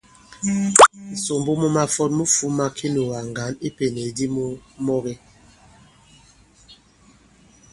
Ŋ̀sòmbo mu mafɔt mu fūma kinùgà ŋgǎn i ipènèk di mu mɔge.